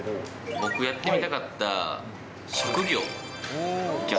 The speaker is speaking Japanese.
僕やってみたかった職業。